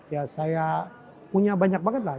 ya saya punya banyak banget lah